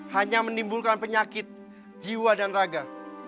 hanya menimbulkan penyakit jiwa dan raga